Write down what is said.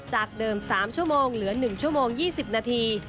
จากเดิม๓ชั่วโมงเหลือ๑ชั่วโมง๒๐นาที